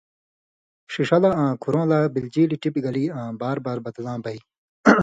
ݜِݜہ لا آں کُھرؤں لا بلژیلیۡ ٹپیۡ گلی آں بار بار بدلاں بئ۔